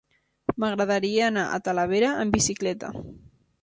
M'agradaria anar a Talavera amb bicicleta.